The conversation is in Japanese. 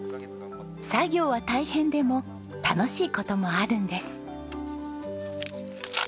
作業は大変でも楽しい事もあるんです。